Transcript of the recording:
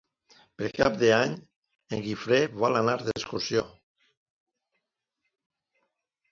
Per Cap d'Any en Guifré vol anar d'excursió.